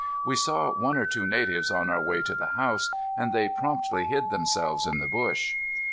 We saw one or two natives on our way to the house, and they promptly hid themselves in the bush.